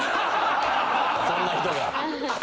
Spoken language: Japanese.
そんな人が。